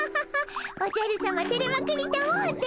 おじゃるさまてれまくりたもうて。